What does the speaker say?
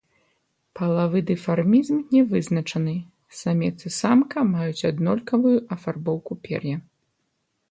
Палавы дымарфізм не вызначаны, самец і самка маюць аднолькавую афарбоўку пер'я.